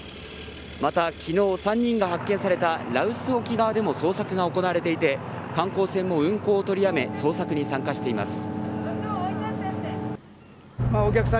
また、昨日３人が発見された羅臼沖側でも捜索が行われていて観光船も運航を取り止め捜索に参加しています。